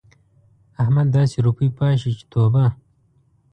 احمد داسې روپۍ پاشي چې توبه!